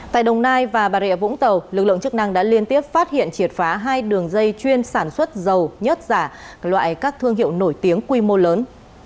tại đồng nai và bà rịa vũng tàu lực lượng chức năng đã liên tiếp phát hiện triệt phá hai đường dây chuyên sản xuất dầu nhất giả loại các thương hiệu nổi tiếng quy mô lớn